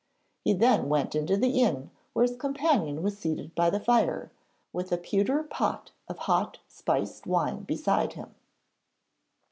He then went into the inn where his companion was seated by the fire, with a pewter pot of hot spiced wine beside him.